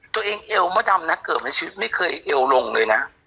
เอวมดดำนะเกือบในชีวิตไม่เคยเอวลงเลยนะ